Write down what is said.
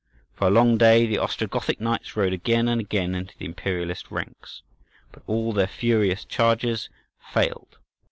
For a long day the Ostrogothic knights rode again and again into the Imperialist ranks; but all their furious charges failed.